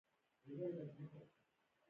دا هغه ژرنده وه چې تره پکې ماتې خوړلې وه.